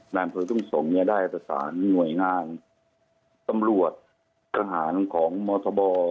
น้ำเผลอทุ่งสงศ์เนี่ยได้อัตภาษาง่วยงานตำรวจทหารของมศ๔๓